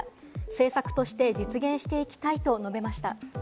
政策として実現していきたいと述べました。